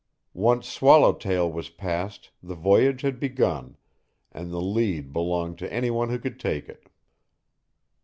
Once Swallowtail was passed the voyage had begun, and the lead belonged to any one who could take it.